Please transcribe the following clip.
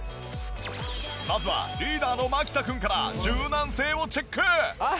まずはリーダーの牧田君から柔軟性をチェック！